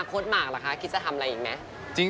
หมากเหรอคะคิดจะทำอะไรอีกไหม